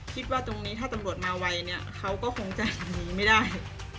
คิดว่าตรงนี้ถ้าตำรวจมาไวเนี่ยเขาก็คงจะหนีไม่ได้